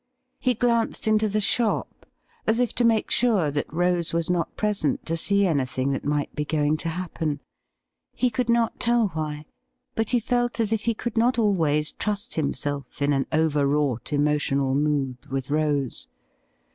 He glanced into the shop as if to make sure that Rose was not present to see an3rthing that might be going to happen. He could not tell why, but he felt as if he j pould i^ot always trust himself in an over wrought eniotiona,! 184 THE RIDDLE RING mood with Rose.